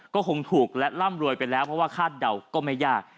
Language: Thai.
ก็คงถูกและร่ำรวยไปแล้วเพราะว่าคาดเดาก็ไม่ยาก